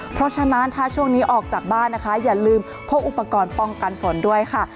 เพราะฉะนั้นถ้าช่วงนี้ออกจากบ้านนะคะอย่าลืมพกอุปกรณ์ป้องกันฝนด้วยค่ะ